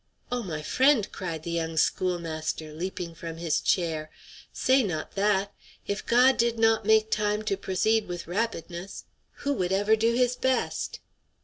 "O my friend," cried the young schoolmaster, leaping from his chair, "say not that! If God did not make time to p'oceed with rapidness, who would ever do his best?"